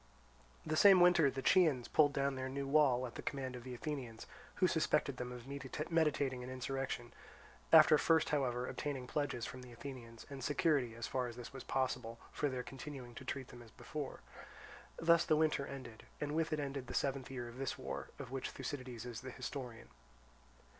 The same winter the Chians pulled down their new wall at the command of the Athenians, who suspected them of meditating an insurrection, after first however obtaining pledges from the Athenians, and security as far as this was possible for their continuing to treat them as before. Thus the winter ended, and with it ended the seventh year of this war of which Thucydides is the historian.